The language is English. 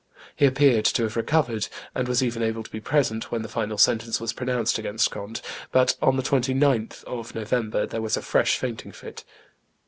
He appeared to have recovered, and was even able to be present when the final sentence was pronounced against Conde; but on the 29th of November there was a fresh fainting fit.